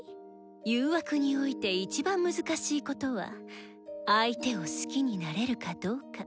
誘惑において一番難しいことは相手を好きになれるかどうか。